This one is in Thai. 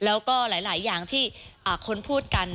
แล้วก็หลายอย่างที่คนพูดกัน